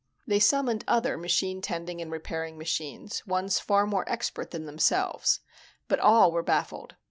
They summoned other machine tending and repairing machines, ones far more expert than themselves, but all were baffled.